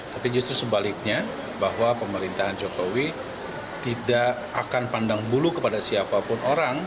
tapi justru sebaliknya bahwa pemerintahan jokowi tidak akan pandang bulu kepada siapapun orang